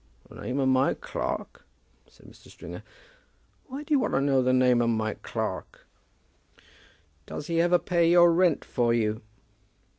"The name of my clerk?" said Mr. Stringer. "Why do you want to know the name of my clerk?" "Does he ever pay your rent for you?"